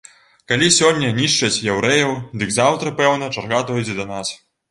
Калі сёння нішчаць яўрэяў, дык заўтра, пэўна, чарга дойдзе да нас.